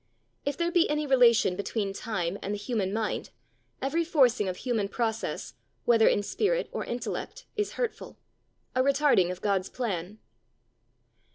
If there be any relation between time and the human mind, every forcing of human process, whether in spirit or intellect, is hurtful, a retarding of God's plan.